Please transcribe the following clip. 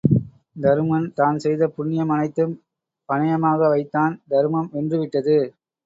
தருமன் தான் செய்த புண்ணியம் அனைத்தும் பணயமாக வைத்தான் தருமம் வென்று விட்டது.